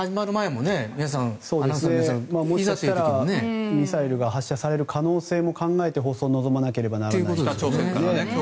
もしかしたらミサイルが発射される可能性も考えて放送に臨まなければならないと。